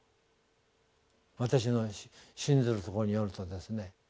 私の信ずるところによるとですね。